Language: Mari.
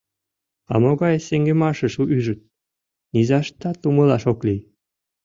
А могай сеҥымашыш ӱжыт — низаштат умылаш ок лий.